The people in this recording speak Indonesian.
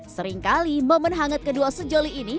seringkali momen hangat kedua sejoli ini